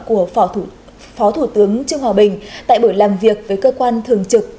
của phó thủ tướng trương hòa bình tại buổi làm việc với cơ quan thường trực